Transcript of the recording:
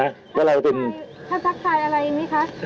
ถ้าทักทายอะไรยังมั้ยครับ